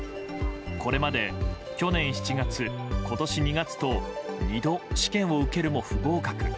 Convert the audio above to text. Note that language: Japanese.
これまで去年７月、今年２月と２度、試験を受けるも不合格。